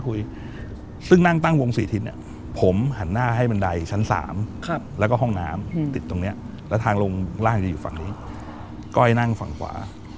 ก้อยนั่งฝั่งขวา